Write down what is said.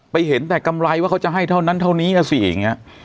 เห็นแต่กำไรว่าเขาจะให้เท่านั้นเท่านี้นะสิอย่างนี้